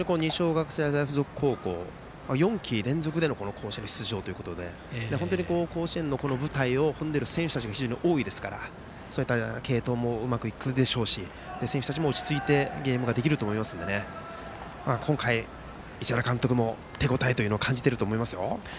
本当に二松学舎大付属高校は４季連続での甲子園出場で甲子園の舞台を踏んでいる選手たちが多いので継投もうまくいくでしょうし選手たちも落ち着いてゲームができると思いますので今回、市原監督も手応えを感じていると思います。